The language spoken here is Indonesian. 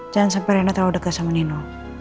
jangan sampai reina terlalu dega sama nino